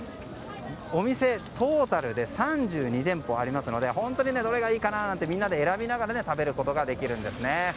お店、トータルで３２店舗ありますのでどれがいいかななんてみんなで選びながら食べることができます。